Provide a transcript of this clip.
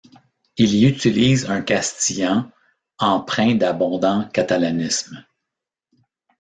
Il y utilise un castillan empreint d'abondants catalanismes.